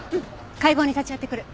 解剖に立ち会ってくる。